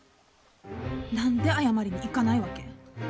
何で謝りに行かないわけ？